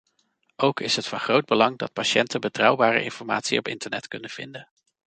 Ook is het van groot belang dat patiënten betrouwbare informatie op internet kunnen vinden.